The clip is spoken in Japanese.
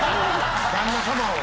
旦那様を。